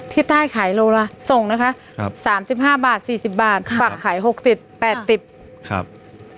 ที่ใต้ขายโลละส่งนะคะ๓๕บาท๔๐บาทปักขาย๖๐บาท๘๐บาท